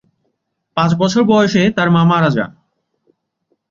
পাঁচ বছর বয়সে তার মা মারা যান।